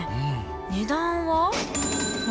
値段は。